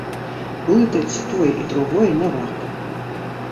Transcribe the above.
Блытаць тое і другое не варта.